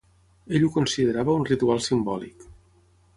Ell ho considerava un ritual simbòlic.